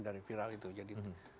dari viral itu jadi